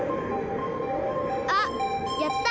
あっやった！